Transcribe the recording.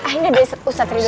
ah ini udah ustadz rizwan juga